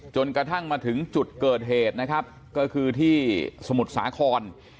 จนกระทั่งมาถึงจุดเกิดเหตุนะครับก็คือที่สมุทรสาคร